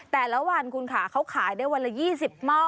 แต่ละวันคุณค่ะเขาขายได้วันละ๒๐หม้อ